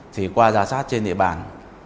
thì qua giả soát trên địa bàn